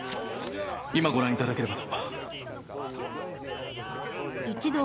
今ご覧いただければと。